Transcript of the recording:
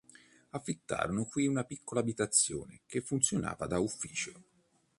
Affittarono qui una piccola abitazione che funzionava da ufficio.